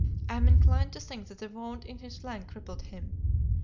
I am inclined to think that the wound in his flank crippled him.